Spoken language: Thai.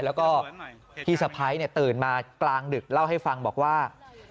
แล้วก็พี่สะพ้ายตื่นมากลางดึกเล่าให้ฟังบอกว่า